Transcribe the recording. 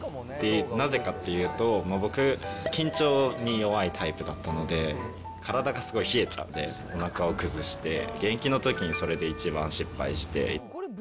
なぜかっていうと、僕、緊張に弱いタイプだったので、体がすごい冷えちゃうんで、おなかを崩して、現役のときにそれで一番失敗して。